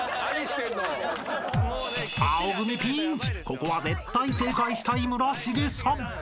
［ここは絶対正解したい村重さん］